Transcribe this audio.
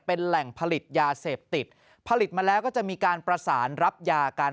เป็นแหล่งผลิตยาเสพติดผลิตมาแล้วก็จะมีการประสานรับยากัน